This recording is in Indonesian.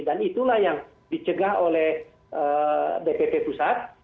dan itulah yang dicegah oleh dpp pusat